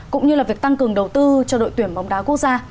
cũng như là việc tăng cường đầu tư cho đội tuyển bóng đá quốc gia